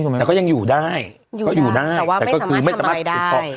แล้วก็ยังอยู่ได้แต่ไม่สามารถทำอะไรได้